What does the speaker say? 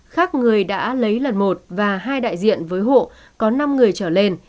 khác người đã lấy lần một và hai đại diện với hộ có năm người trở lên